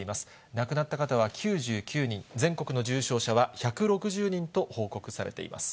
亡くなった方は９９人、全国の重症者は１６０人と報告されています。